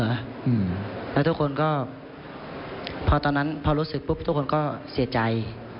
แล้วทุกคนก็พอตอนนั้นพอรู้สึกปุ๊บทุกคนก็เสียใจ